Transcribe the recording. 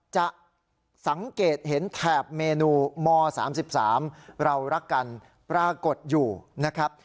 จะสังเกตเห็นแถบเมนูม๓๓เรารักกันปรากฏอยู่นะครับ